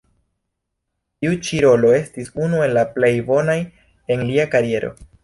Tiu ĉi rolo estis unu el la plej bonaj en lia kariero.